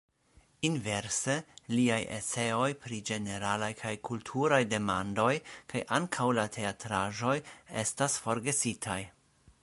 Inverse liaj eseoj pri ĝeneralaj kaj kulturaj demandoj kaj ankaŭ la teatraĵoj estas forgesitaj.